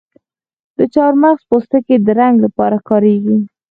د چارمغز پوستکی د رنګ لپاره کاریږي؟